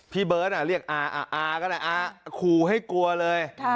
พี่เบิร์ตเรียกอาก็เลยอาขู่ให้กลัวเลย